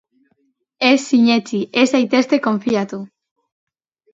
Ez sinetsi, ez zaitezte konfiatu.